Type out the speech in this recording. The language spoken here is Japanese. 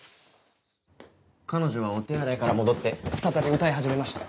彼女はお手洗いから戻って再び歌い始めました。